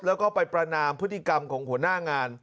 แล้วก็ไปประนามพฤติกรรมของหัวหน้างาน